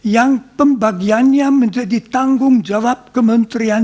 yang pembagiannya menjadi tanggung jawab kementerian